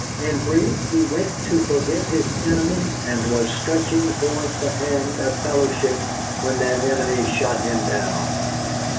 In brief, he went to forgive his enemy and was stretching forth the hand of fellowship when that enemy shot him down.